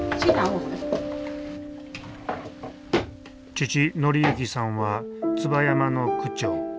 父紀幸さんは椿山の区長。